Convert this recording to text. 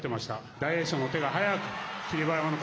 大栄翔の手が早く、霧馬山は初優勝。